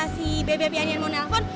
si bebe yanyan mau nelfon